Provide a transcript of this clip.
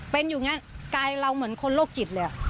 เป็นอย่างนี้กายเราเหมือนคนโรคจิตเลย